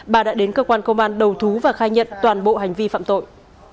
bà đã đến cơ quan công an đầu thú và khai nhận toàn bộ hành vi phạm tội